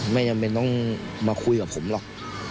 ไม่จำเป็นต้องมาคุยกับผมหรอก